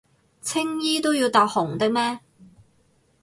青衣都要搭紅的咩？